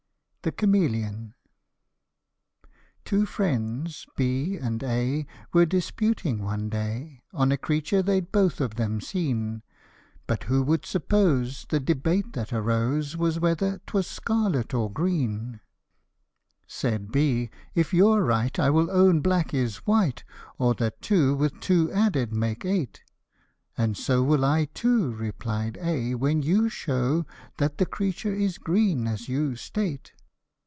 THE CHAMELEON. Two friends, B and A, were disputing, one day, On a creature they'd both of them seen ; But who would suppose the debate that arose Was whether 'twas scarlet or green. Tlie Herd siu a 11 . Tlie Cliamelion. 27 Said B, " If your're right, I will own black is white, Or that two, with two added, make eight ;"" And^o will I too," replied A, " when you show That that creature is green, as you state.